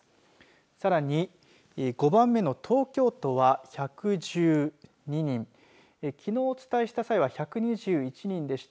さらに５番目の東京都は１１２人きのうお伝えした際は１２１人でした。